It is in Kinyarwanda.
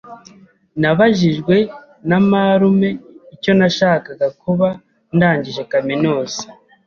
Nabajijwe na marume icyo nashakaga kuba ndangije kaminuza.